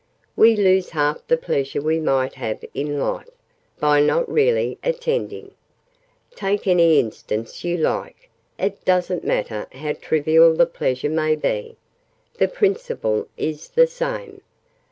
We lose half the pleasure we might have in Life, by not really attending. Take any instance you like: it doesn't matter how trivial the pleasure may be the principle is the same.